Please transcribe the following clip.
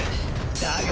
だが。